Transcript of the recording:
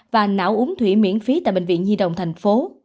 và não uống thủy miễn phí tại bệnh viện nhi đồng thành phố